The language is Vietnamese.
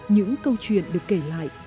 những câu chuyện được kể lại